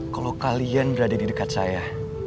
kalau kalian berada di dekat saya